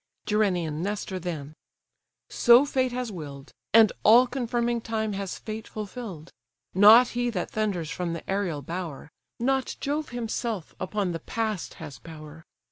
Gerenian Nestor then: "So fate has will'd; And all confirming time has fate fulfill'd. Not he that thunders from the aerial bower, Not Jove himself, upon the past has power.